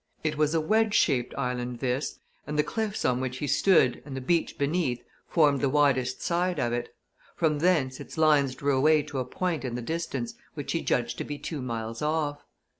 It was a wedge shaped island this, and the cliffs on which he stood and the beach beneath formed the widest side of it; from thence its lines drew away to a point in the distance which he judged to be two miles off.